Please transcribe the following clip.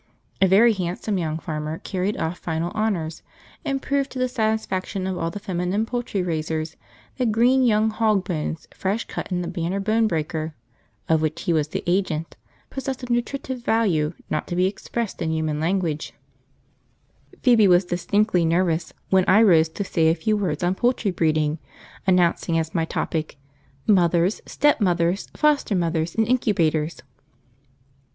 A very handsome young farmer carried off final honours, and proved to the satisfaction of all the feminine poultry raisers that green young hog bones fresh cut in the Banner Bone Breaker (of which he was the agent) possessed a nutritive value not to be expressed in human language. {The afternoon session was most exciting: p82.jpg} Phoebe was distinctly nervous when I rose to say a few words on poultry breeding, announcing as my topic "Mothers, Stepmothers, Foster Mothers, and Incubators."